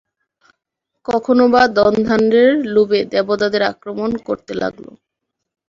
কখনও বা ধনধান্যের লোভে দেবতাদের আক্রমণ করতে লাগল।